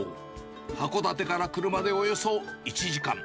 函館から車でおよそ１時間。